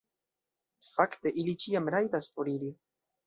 Fakte ili ĉiam rajtas foriri.